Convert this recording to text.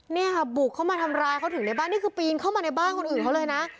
เนี่ยค่ะบุกเข้ามาทำร้ายเขาถึงในบ้านนี่คือปีนเข้ามาในบ้านคนอื่นเขาเลยนะ